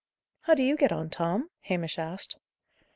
"How do you get on, Tom?" Hamish asked.